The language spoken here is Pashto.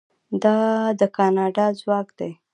دا د کاناډا ځواک دی.